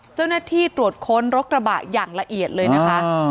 เจ้าหน้าที่ตรวจค้นรถกระบะอย่างละเอียดเลยนะคะ